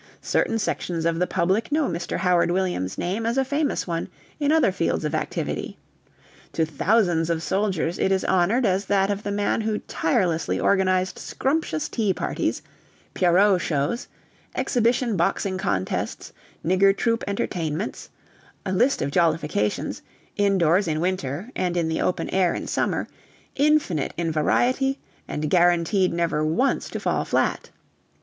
Certain sections of the public know Mr. Howard Williams's name as a famous one in other fields of activity: to thousands of soldiers it is honoured as that of the man who tirelessly organised scrumptious tea parties, pierrot shows, exhibition boxing contests, nigger troupe entertainments a list of jollifications, indoors in winter and in the open air in summer, infinite in variety and guaranteed never once to fall flat.